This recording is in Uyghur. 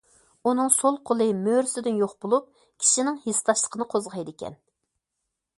ئۇنىڭ سول قولى مۈرىسىدىن يوق بولۇپ، كىشىنىڭ ھېسداشلىقىنى قوزغايدىكەن.